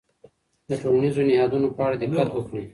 د ټولنیزو نهادونو په اړه دقت وکړئ.